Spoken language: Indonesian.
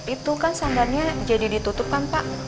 itu kan sambannya jadi ditutupkan pak